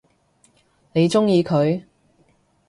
你鍾意佢？